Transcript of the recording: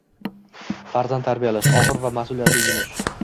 Farzand tarbiyalash – og‘ir va mas’uliyatli yumush.